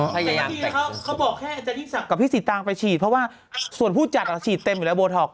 แต่ทีนี้เขาบอกแค่อันดันที่สักกับพี่สิตางไปฉีดเพราะว่าส่วนผู้จัดอะฉีดเต็มอยู่แล้วโบท็อก